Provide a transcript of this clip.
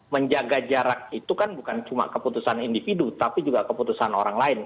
menjaga jarak itu kan bukan cuma keputusan individu tapi juga keputusan orang lain